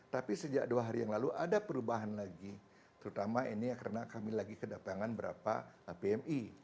tapi sejak dua hari yang lalu ada perubahan lagi terutama ini karena kami lagi kedatangan berapa pmi